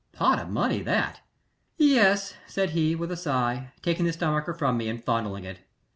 "Pot of money that!" "Yes," said he, with a sigh, taking the stomacher from me and fondling it.